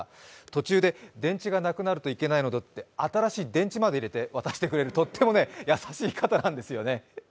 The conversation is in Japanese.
途中で電池がなくなるといけないので新しい電池まで入れてくれるとっても優しい方なんですよね。